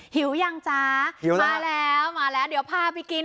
หิวยังจ๊ะหิวมาแล้วมาแล้วเดี๋ยวพาไปกิน